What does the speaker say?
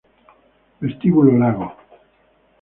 Vestíbulo Lago